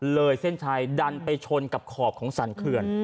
เลยเส้นชัยดันไปชนกับขอบของสรรเคือน